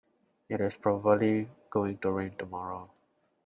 It is probably going to rain tomorrow.